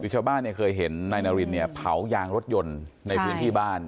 คือชาวบ้านเคยเห็นนายนารินเนี่ยเผายางรถยนต์ในพื้นที่บ้าน